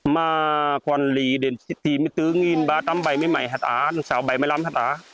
mà quản lý đến bảy mươi bốn ba trăm bảy mươi mảy hạt á sáu trăm bảy mươi năm hạt á